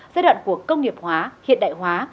giai đoạn của công nghiệp hóa hiện đại hóa